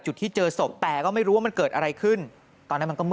หลังจากพบศพผู้หญิงปริศนาตายตรงนี้ครับ